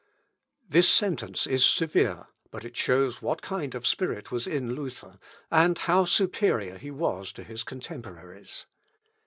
" This sentence is severe, but it shows what kind of spirit was in Luther, and how superior he was to his contemporaries.